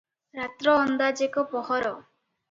ରାତ୍ର ଅନ୍ଦାଜ ଏକ ପହର ।